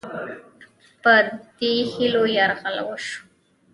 خو په دې هیلو یرغل وشو